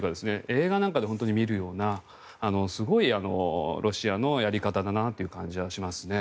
映画なんかで見るようなすごいロシアのやり方だなという感じはしますね。